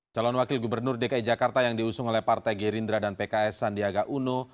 calon wakil gubernur dki jakarta yang diusung oleh partai gerindra dan pks sandiaga uno